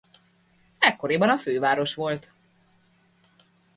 Ekkoriban a főváros volt.